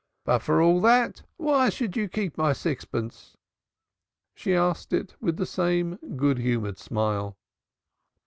But for all that why should you keep my sixpence?" She asked it with the same good humored smile.